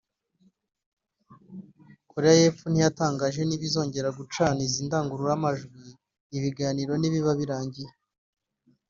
Korea y’Epfo ntiyatangaje niba izongera gucana izi ndangururamajwi ibiganiro nibiba birangiye